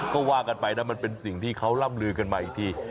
ก็ว่ากันไปนะมันเป็นสิ่งที่เขาร่ำลือกันมาอีกที